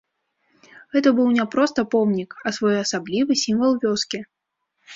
Гэта быў не проста помнік, а своеасаблівы сімвал вёскі.